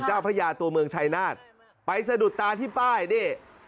พระยาตัวเมืองชายนาฏไปสะดุดตาที่ป้ายนี่